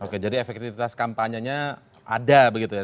oke jadi efektifitas kampanyanya ada begitu ya